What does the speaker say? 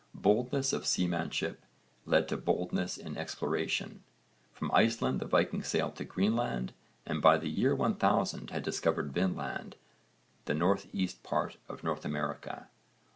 Boldness of seamanship led to boldness in exploration. From Iceland the Vikings sailed to Greenland, and by the year 1000 had discovered Vinland, the N.E. part of North America.